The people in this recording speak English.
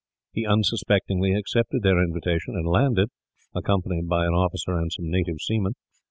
He unsuspectingly accepted their invitation and landed, accompanied by an officer and some native seamen.